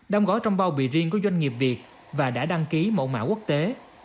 đóng gói trong bao bì riêng của doanh nghiệp việt và đã đăng ký mẫu mạo quốc tế